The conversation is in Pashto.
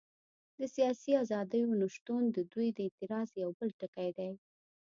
د سیاسي ازادیو نه شتون د دوی د اعتراض یو بل ټکی دی.